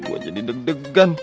gua jadi deg degan